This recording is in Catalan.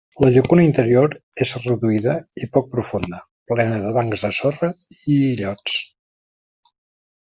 La llacuna interior és reduïda i poc profunda, plena de bancs de sorra i illots.